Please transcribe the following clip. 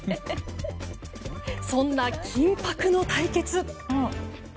そんな緊迫の対決。